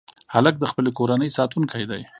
هلک د خپلې کورنۍ ساتونکی دی.